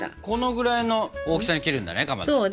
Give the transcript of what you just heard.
このぐらいの大きさに切るんだねかまど。